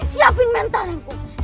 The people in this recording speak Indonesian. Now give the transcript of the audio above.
siapin mental yang kuat